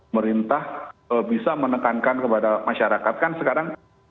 merintah bisa menekankan kepada masyarakat kan sekarang